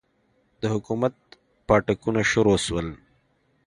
د حکومت پاټکونه شروع سول.